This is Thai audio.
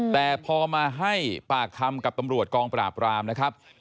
แต่พอมาให้ปากคำกับตำรวจกองปราบรามนะครับ